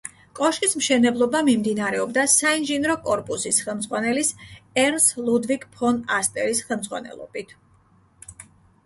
კოშკის მშენებლობა მიმდინარეობდა საინჟინრო კორპუსის ხელმძღვანელის ერნს ლუდვიგ ფონ ასტერის ხელმძღვანელობით.